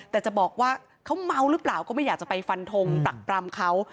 แต่จะบอกว่าเขาเมาหรือเปล่าก็ไม่อยากจะไปฟันทงปรักปรำเขา